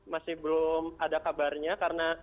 masih belum ada kabarnya karena